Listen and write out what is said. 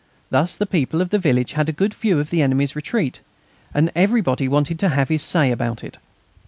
Thus the people of the village had a good view of the enemy's retreat, and everybody wanted to have his say about it.